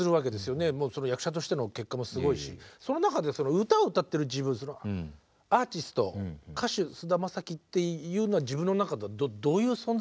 もうその役者としての結果もすごいしその中でその歌を歌ってる自分アーティスト歌手菅田将暉っていうのは自分の中ではどういう存在ですか？